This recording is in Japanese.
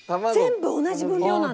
全部同じ分量なの。